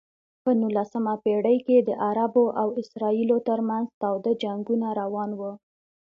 په نولسمه پېړۍ کې د عربو او اسرائیلو ترمنځ تاوده جنګونه روان و.